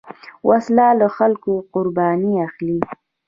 وسله له خلکو قرباني اخلي